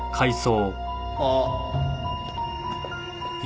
あっ。